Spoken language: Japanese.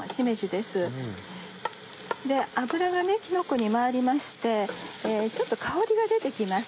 で油がきのこに回りましてちょっと香りが出て来ます。